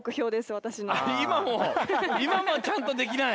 いまもちゃんとできない？